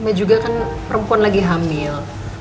sama juga kan perempuan lagi hamil